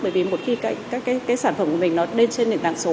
bởi vì một khi sản phẩm của mình lên trên nền tảng số